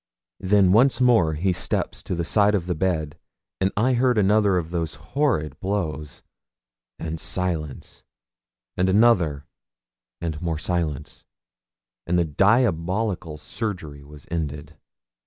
Then once more he steps to the side of the bed, and I heard another of those horrid blows and silence and another and more silence and the diabolical surgery was ended.